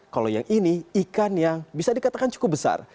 kalau yang ini ikan yang bisa dikatakan cukup besar